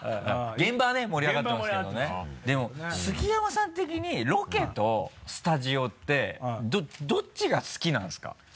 現場は盛り上がってますよでも杉山さん的にロケとスタジオってどっちが好きなんですか？